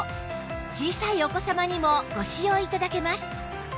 小さいお子さまにもご使用頂けます